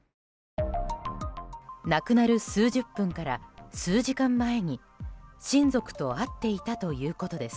亡くなる数十分から数時間前に親族と会っていたということです。